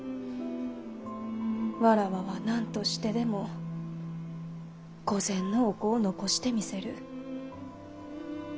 妾は何としてでも御前のお子を残してみせる。